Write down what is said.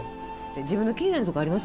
自分の気になるとこあります？